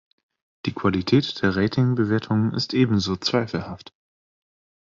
Die Qualität der Rating-Bewertungen ist ebenso zweifelhaft.